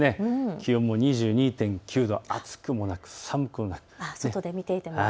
気温も２２．９度、暑くもなく、寒くもなく。